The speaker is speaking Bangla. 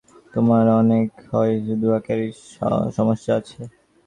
তোমার কি মনে হয় শুধু তোমার একারই সমস্যা আছে?